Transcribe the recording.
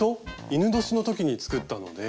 戌年の時に作ったので。